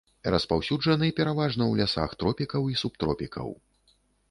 Распаўсюджаны пераважна ў лясах тропікаў і субтропікаў.